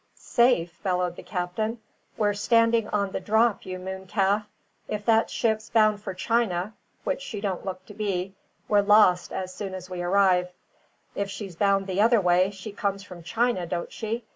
"Safe?" bellowed the captain. "We're standing on the drop, you moon calf! If that ship's bound for China (which she don't look to be), we're lost as soon as we arrive; if she's bound the other way, she comes from China, don't she?